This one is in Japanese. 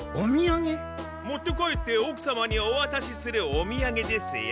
持って帰っておくさまにおわたしするおみやげですよ。